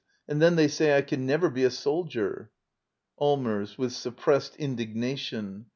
And then they say I can never be a soldier. Allmers. [With suppressed indignation.